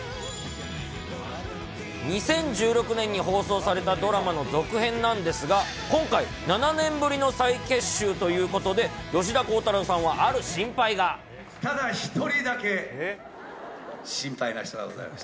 ２０１６年に放送されたドラマの続編なんですが、今回、７年ぶりの再結集ということで、ただ一人だけ、心配な人がございます。